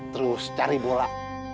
terus cari bola